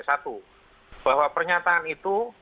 satu bahwa pernyataan itu